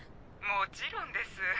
もちろんです。